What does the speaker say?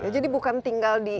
jadi bukan tinggal di istana